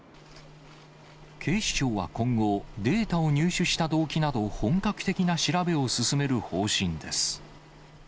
警視庁は今後、データを入手した動機など、本格的な調べを進める方針です。